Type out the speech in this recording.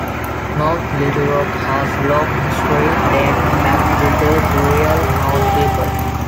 North Little Rock has a long history, dating back to the Burial Mound People.